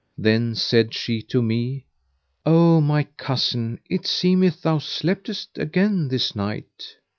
Then said she to me, "O my cousin, it seemeth thou sleptest again this night?"